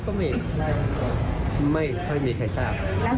แล้วตื่นเต้นไหมครับ